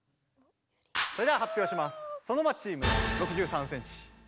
それでは発表します。